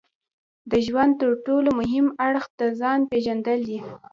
د ژوند ترټولو مهم اړخ د ځان پېژندل دي.